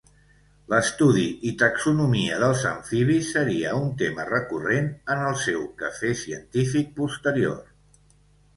L'estudi i taxonomia dels amfibis seria un tema recurrent en el seu quefer científic posterior.